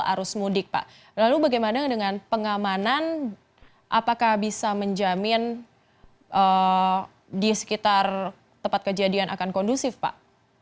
arus mudik pak lalu bagaimana dengan pengamanan apakah bisa menjamin di sekitar tempat kejadian akan kondusif pak